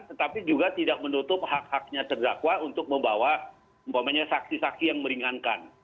tetapi juga tidak menutup hak haknya terdakwa untuk membawa saksi saksi yang meringankan